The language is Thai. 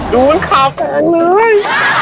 ดูมันขาวแจงเลย